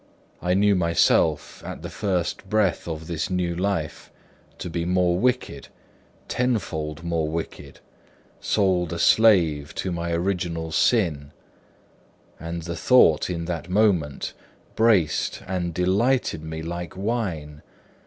I knew myself, at the first breath of this new life, to be more wicked, tenfold more wicked, sold a slave to my original evil; and the thought, in that moment, braced and delighted me like wine.